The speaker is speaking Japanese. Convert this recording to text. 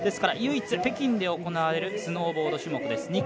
唯一北京で行われるスノーボード種目です。